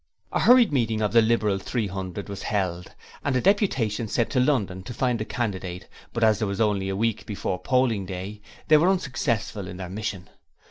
A hurried meeting of the Liberal Three Hundred was held, and a deputation sent to London to find a candidate but as there was only a week before polling day they were unsuccessful in their mission.